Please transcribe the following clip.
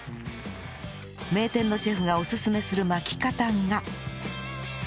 名店のシェフがおすすめする巻き方が